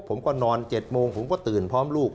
ผมก็นอน๗โมงผมก็ตื่นพร้อมลูก